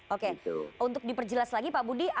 oke untuk diperjelas lagi pak budi